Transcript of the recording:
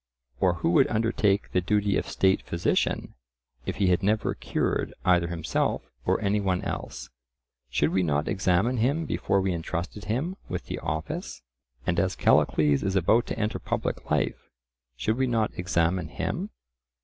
or who would undertake the duty of state physician, if he had never cured either himself or any one else? Should we not examine him before we entrusted him with the office? And as Callicles is about to enter public life, should we not examine him?